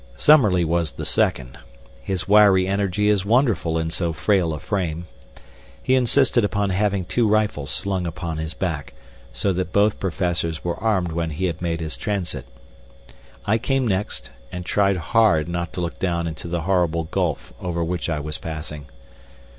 Summerlee was the second. His wiry energy is wonderful in so frail a frame. He insisted upon having two rifles slung upon his back, so that both Professors were armed when he had made his transit. I came next, and tried hard not to look down into the horrible gulf over which I was passing.